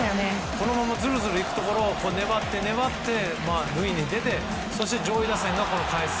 このままずるずるいくところを粘って粘って塁に出てそして、上位打線が返す。